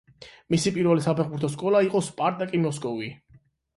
მისი პირველი საფეხბურთო სკოლა იყო სპარტაკი მოსკოვი.